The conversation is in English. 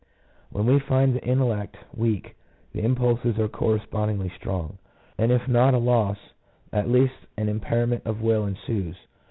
When we find the intellect weak, the impulses are correspondingly strong; and if not a loss, at least an impairment of will ensues.